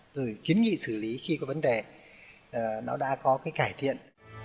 rồi kiến nghị xử lý khi có vấn đề nó đã có cái cải thiện